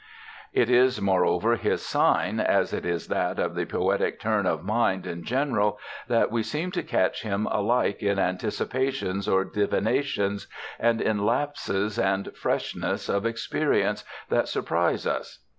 It is moreover his sign, as it is that of the poetic turn of mind in general that we seem to catch him alike in anticipations or divinations, and in lapses and freshnesses, of experience that surprise us.